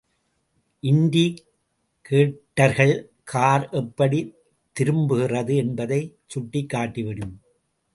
இன்டி.கேட்டர்கள் car எப்படித் திரும்புகிறது என்பதைச் சுட்டிக் காட்டிவிடும்.